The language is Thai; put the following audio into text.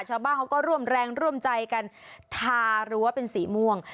ชาวบ้านเขาก็ร่วมแรงร่วมใจกันทารั้วเป็นสีม่วง